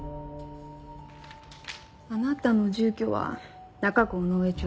あなたの住居は中区尾上町。